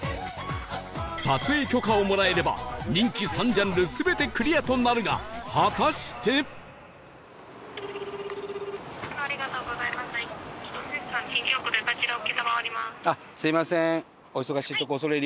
撮影許可をもらえれば人気３ジャンル全てクリアとなるが果たしてすみません。